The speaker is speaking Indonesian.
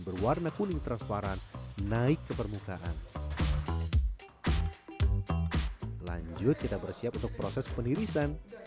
berwarna kuning transparan naik ke permukaan lanjut kita bersiap untuk proses penirisan